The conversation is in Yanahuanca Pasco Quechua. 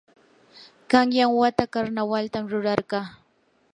qanyan wata karnawaltam rurarqaa.